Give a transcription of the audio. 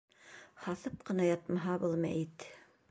Һаҫып ҡына ятмаһа был мәйет.